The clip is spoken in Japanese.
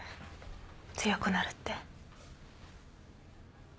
強くなるって。